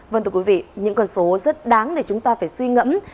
vâng thưa quý vị những con số rất đáng để chúng ta phải suy ngẫm